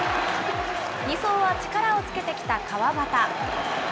２走は力をつけてきた川端。